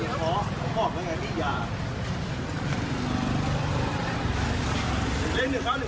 นั่งก่อนนั่งก่อนนั่งก่อนใจเจ็บสิ